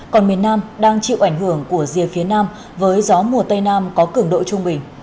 còn miền nam đang chịu ảnh hưởng của rìa phía nam với gió mùa tây nam có cường độ trung bình